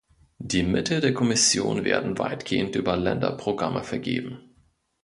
Die Mittel der Kommission werden weitgehend über Länderprogramme vergeben.